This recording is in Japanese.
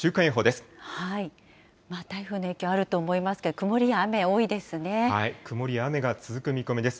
台風の影響あると思いますけ曇りや雨が続く見込みです。